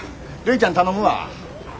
るいちゃん頼むわ。